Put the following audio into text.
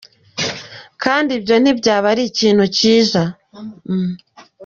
Kandi ibyo ntibyaba ari ikintu cyiza.